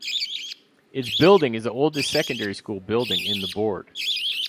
Its building is the oldest secondary school building in the board.